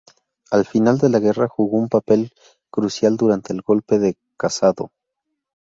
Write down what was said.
Al final de la guerra jugó un papel crucial durante el golpe de Casado.